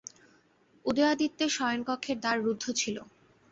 উদয়াদিত্যের শয়নকক্ষের দ্বার রুদ্ধ ছিল।